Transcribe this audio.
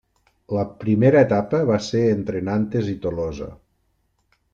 La primera etapa va ser entre Nantes i Tolosa.